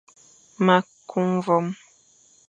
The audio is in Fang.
Ma ku mvoom,